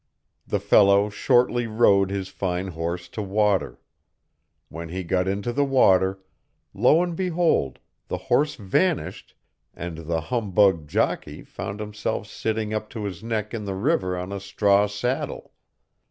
The fellow shortly rode his fine horse to water. When he got into the water, lo and behold, the horse vanished, and the humbugged jockey found himself sitting up to his neck in the river on a straw saddle.